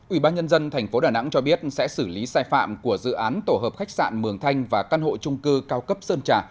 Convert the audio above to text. ubnd tp đà nẵng cho biết sẽ xử lý sai phạm của dự án tổ hợp khách sạn mường thanh và căn hộ trung cư cao cấp sơn trà